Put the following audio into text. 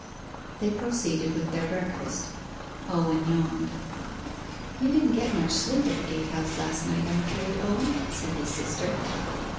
They proceeded with their breakfast. Owen yawned. 'You didn't get much sleep at the gate house last night, I'm afraid, Owen,' said his sister.